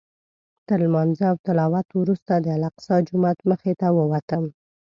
تر لمانځه او تلاوت وروسته د الاقصی جومات مخې ته ووتم.